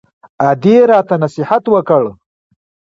ادې راته نصيحت وکړ.